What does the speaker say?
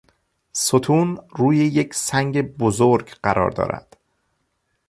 ستون روی یک سنگ بزرگ قرار دارد.